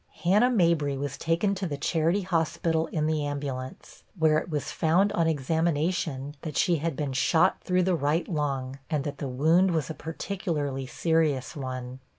Hannah Mabry was taken to the Charity Hospital in the ambulance, where it was found on examination that she had been shot through the right lung, and that the wound was a particularly serious one.